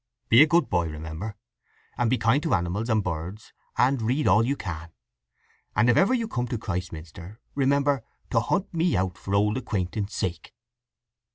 "Be a good boy, remember; and be kind to animals and birds, and read all you can. And if ever you come to Christminster remember you hunt me out for old acquaintance' sake."